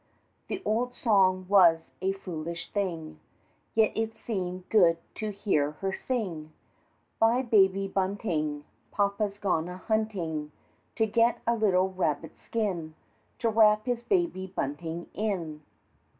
The old song was a foolish thing, Yet it seemed good to hear her sing, "By Baby Bunting! Papa's gone a hunting, To get a little rabbit skin To wrap his Baby Bunting in."